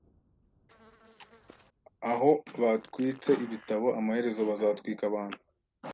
Aho batwitse ibitabo, amaherezo bazatwika abantu.